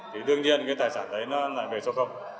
thì đương nhiên cái tài sản đấy nó lại về số